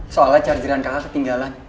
soalnya chargeran kakak ketinggalan